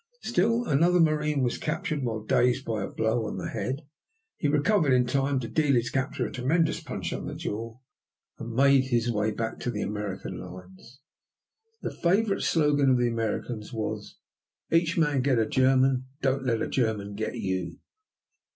Still another marine was captured while dazed by a blow on the head. He recovered in time to deal his captor a tremendous punch on the jaw, and made his way back to the American lines. The favorite slogan of the Americans was: "Each man get a German; don't let a German get you."